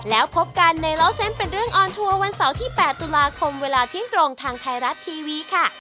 แล้วพบกันในเล่าเส้นเป็นเรื่องออนทัวร์วันเสาร์ที่๘ตุลาคมเวลาเที่ยงตรงทางไทยรัฐทีวีค่ะ